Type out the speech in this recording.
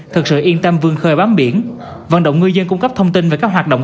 thực sự yên tâm vương khơi bám biển vận động ngư dân cung cấp thông tin về các hoạt động